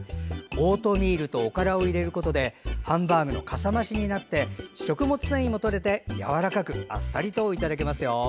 オートミールとおからを入れることでハンバーグのかさ増しになって食物繊維もとれてやわらかくあっさりといただけますよ。